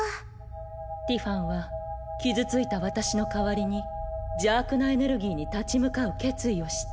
ティファンは傷ついた私の代わりに邪悪なエネルギーに立ち向かう決意をした。